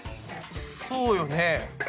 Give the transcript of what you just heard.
そうよね。